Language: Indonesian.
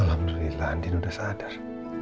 alhamdulillah andien udah sadar